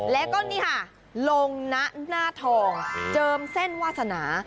แล้วก็นี่ค่ะลงนะหน้าทองเจิมเส้นวาสนา